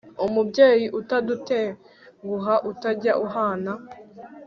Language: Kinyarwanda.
umubyeyi utadutenguha, utajya uhana